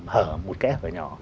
hở một cái hở nhỏ